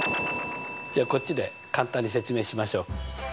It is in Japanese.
じゃあこっちで簡単に説明しましょう。